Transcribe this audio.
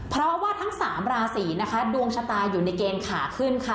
เพราะว่าทั้งสามราศีนะคะดวงชะตาอยู่ในเกณฑ์ขาขึ้นค่ะ